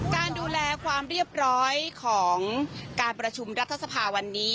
การดูแลความเรียบร้อยของการประชุมรัฐสภาวันนี้